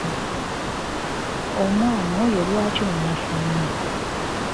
Omwana oyo lwaki munafu nnyo?